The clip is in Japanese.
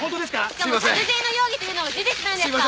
しかも殺人の容疑というのは事実なんですか？